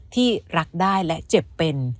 ที่รักได้และเจ็บเป็น